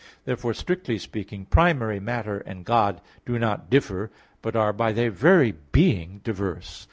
Therefore, strictly speaking, primary matter and God do not differ, but are by their very being, diverse.